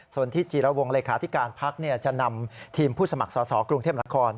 ส่วนที่จีรวงเลขาธิการพักจะนำทีมผู้สมัครสอสอกรุงเทพนคร